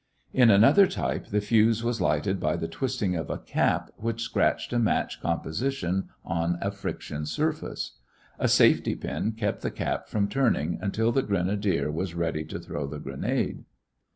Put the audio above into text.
In another type the fuse was lighted by the twisting of a cap which scratched a match composition on a friction surface. A safety pin kept the cap from turning until the grenadier was ready to throw the grenade.